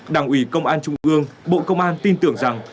đảng ủy công an trung ương bộ công an tin tưởng rằng